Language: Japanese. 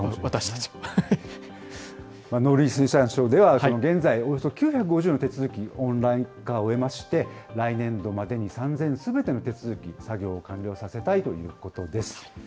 農林水産省では現在、およそ９５０の手続き、オンライン化を終えまして、来年度までに３０００すべての手続きの作業を完了させたいということです。